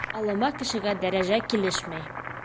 Алама кешегә дәрәжә килешмәй.